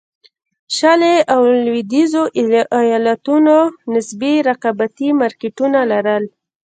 شلي او لوېدیځو ایالتونو نسبي رقابتي مارکېټونه لرل.